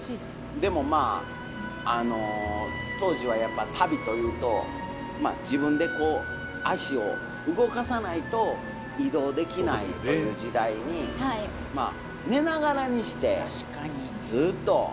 でもまああの当時はやっぱり旅というと自分でこう足を動かさないと移動できないという時代にまあ寝ながらにしてずっと勝手に移動できるということですから。